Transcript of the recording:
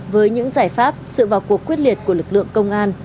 với những giải pháp sự vào cuộc quyết liệt của lực lượng công an